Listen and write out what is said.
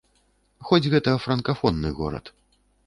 Хоць гэта франкафонны горад.